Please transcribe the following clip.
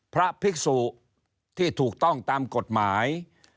พระภิกษุที่ถูกต้องตามกฎหมาย